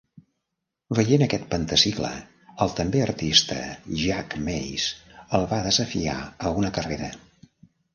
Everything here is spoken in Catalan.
Veient aquest "Pentacicle", el també artista Jack Mays el va desafiar a una carrera.